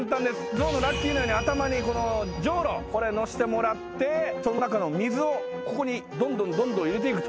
象のラッキィのように頭にこのじょうろこれのせてもらってその中の水をここにどんどんどんどん入れていく。